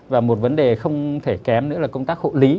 và một vấn đề không thể kém nữa là công tác hộ lý